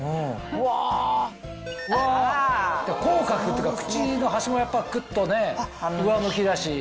うわ口角っていうか口の端もクッとね上向きだし。